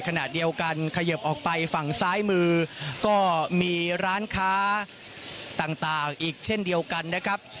ขณะเดียวกันเขยิบออกไปฝั่งซ้ายมือก็มีร้านค้าต่างอีกเช่นเดียวกันนะครับ